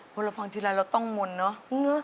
พอเราฟังทีไรเราต้องมนต์เนอะ